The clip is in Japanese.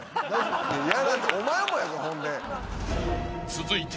［続いて］